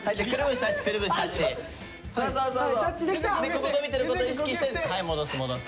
ここ伸びてること意識してはい戻す戻す。